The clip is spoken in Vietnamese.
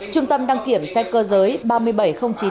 trung tâm đăng kiểm xe cơ giới